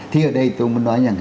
thì ở đây tôi muốn nói rằng